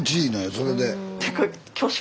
それで。